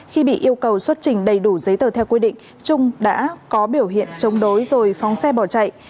khi bị yêu cầu xuất trình đầy đủ giấy tờ theo quy định trung đã có biểu hiện chống đối rồi phóng xe bỏ chạy